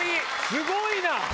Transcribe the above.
すごいな！